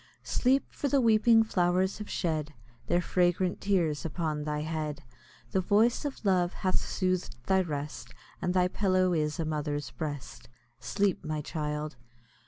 Sleep! for the weeping flowers have shed Their fragrant tears upon thy head, The voice of love hath sooth'd thy rest, And thy pillow is a mother's breast. Sleep, my child!